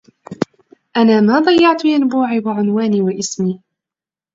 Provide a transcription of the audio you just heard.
أنا ما ضيَّعتُ ينبوعي وعنوانيَ واسمي